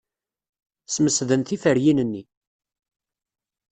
Smesden tiferyin-nni.